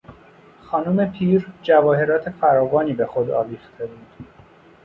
خانم پیر جواهرات فراوانی به خود آویخته بود.